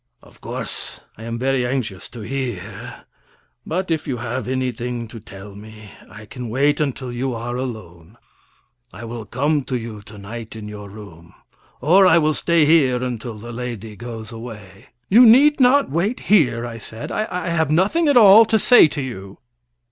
Of course, I am very anxious to hear; but if you have anything to tell me, I can wait until you are alone. I will come to you to night in your room, or I will stay here until the lady goes away." "You need not wait here," I said; "I have nothing at all to say to you."